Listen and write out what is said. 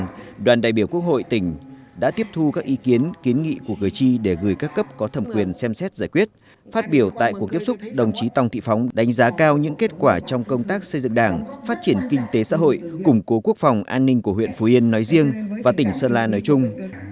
trong đó đoàn đại biểu quốc hội tỉnh đã tiếp thu các ý kiến kiến nghị của cử tri để gửi các cấp có thẩm quyền xem xét giải quyết phát biểu tại cuộc tiếp xúc đồng chí tòng thị phóng đánh giá cao những kết quả trong công tác xây dựng đảng phát triển kinh tế xã hội củng cố quốc phòng an ninh của huyện phú yên nói riêng và tỉnh sơn la nói chung